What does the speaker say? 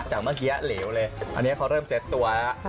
เมื่อกี้เหลวเลยอันนี้เขาเริ่มเซ็ตตัวแล้ว